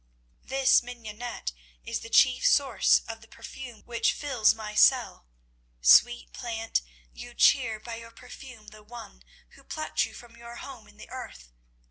This mignonette is the chief source of the perfume which fills my cell. Sweet plant, you cheer by your perfume the one who plucked you from your home in the earth.